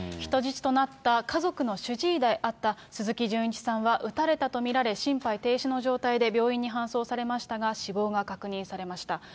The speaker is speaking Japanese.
人質となった家族の主治医であった鈴木純一さんは撃たれたと見られ、心肺停止の状態で病院に搬送されましたが、死亡が確認されました。